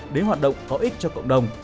đến hoạt động có ích cho cộng đồng